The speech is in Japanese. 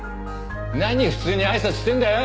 何普通にあいさつしてんだよ！